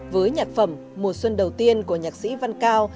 với nhạc phẩm mùa xuân đầu tiên của nhạc sĩ văn cao